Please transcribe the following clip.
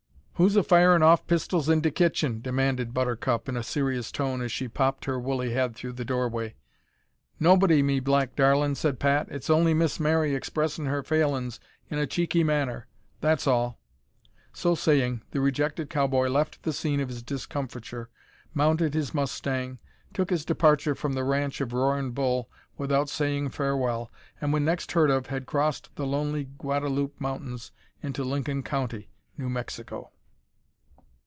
"Who's a firin' off pistles in de kitchen?" demanded Buttercup in a serious tone, as she popped her woolly head through the doorway. "Nobody, me black darlin'," said Pat; "it's only Miss Mary expressin' her failin's in a cheeky manner. That's all!" So saying the rejected cow boy left the scene of his discomfiture, mounted his mustang, took his departure from the ranch of Roarin' Bull without saying farewell, and when next heard of had crossed the lonely Guadaloupe mountains into Lincoln County, New Mexico.